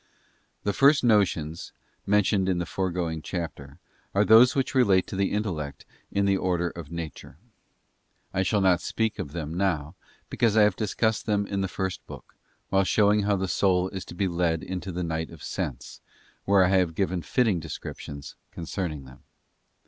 Tue first notions, mentioned in the foregoing chapter, are those which relate to the intellect in the order of nature. I shall not speak of them now, because I have discussed them in the first book, while showing how the soul is to be led into the night of sense, where I have given fitting directions concerning them.